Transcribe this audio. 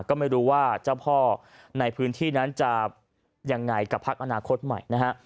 ก็ไม่รู้ว่าเจ้าพ่อในพื้นที่นั้นจะยังไงกับพักอนาคตใหม่นะฮะ